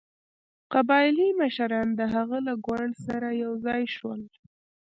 قبایلي مشران د هغه له ګوند سره یو ځای شول.